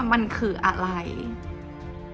จนดิวไม่แน่ใจว่าความรักที่ดิวได้รักมันคืออะไร